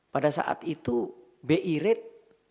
pada saat itu bi rate